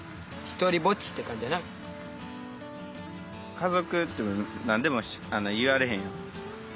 家族って何でも言われへんやん。